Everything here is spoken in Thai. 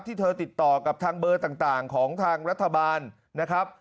ที่เธอติดต่อกับทางเบอร์ต่างของทางรัฐบาลนะครับ